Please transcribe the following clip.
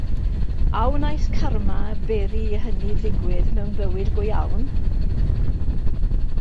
A wnaeth carma beri i hynny ddigwydd mewn bywyd go iawn?